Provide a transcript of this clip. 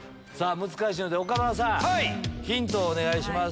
難しいので岡村さんヒントをお願いします。